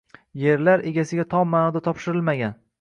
yerlar egasiga tom ma’noda topshirilmagan